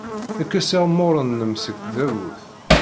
Kkes iɣemmuren-nnem seg tdabut.